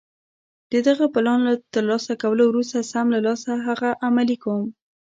د دغه پلان له ترلاسه کولو وروسته سم له لاسه هغه عملي کوم.